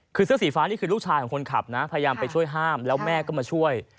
คือเสื้อสีฟ้านี่คือลูกชายของคนขับนะพยายามไปช่วยห้ามแล้วแม่ก็มาช่วย